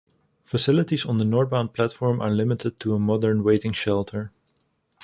Facilities on the northbound platform are limited to a modern waiting shelter.